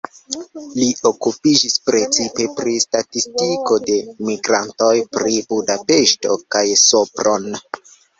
Li okupiĝis precipe pri statistiko de migrantoj, pri Budapeŝto kaj Sopron.